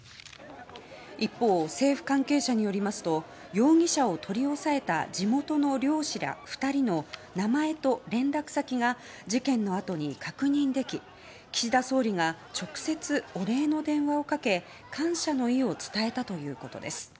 一方、政府関係者によりますと容疑者を取り押さえた地元の漁師ら２人の名前と連絡先が事件のあとに確認でき岸田総理が直接お礼の電話をかけ感謝の意を伝えたということです。